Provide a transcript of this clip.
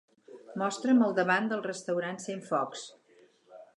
Mostra'm el davant del restaurant Centfocs.